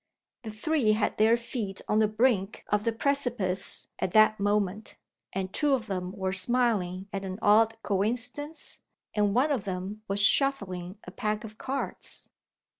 The three had their feet on the brink of the precipice at that moment. And two of them were smiling at an odd coincidence; and one of them was shuffling a pack of cards!